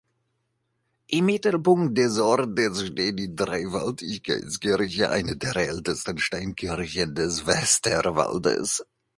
Im Mittelpunkt des Ortes steht die Dreifaltigkeitskirche, eine der ältesten Steinkirchen des Westerwaldes.